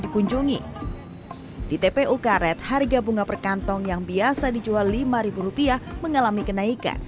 dikunjungi di tpu karet harga bunga perkantong yang biasa dijual lima ribu rupiah mengalami kenaikan